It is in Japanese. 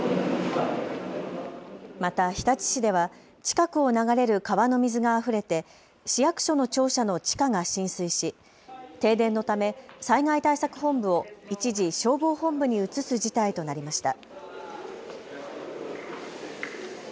また日立市では近くを流れる川の水があふれて市役所の庁舎の地下が浸水し停電のため災害対策本部を一時消防本部に移す事態となりました。